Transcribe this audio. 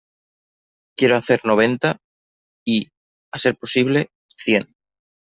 Quiero hacer noventa y, a ser posible, cien.